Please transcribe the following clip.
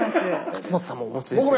勝俣さんもお持ちですよね。